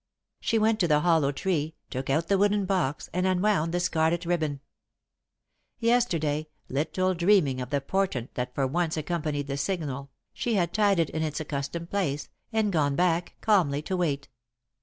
She went to the hollow tree, took out the wooden box, and unwound the scarlet ribbon. Yesterday, little dreaming of the portent that for once accompanied the signal, she had tied it in its accustomed place, and gone back, calmly to wait.